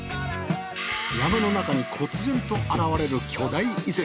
山の中に忽然と現れる巨大遺跡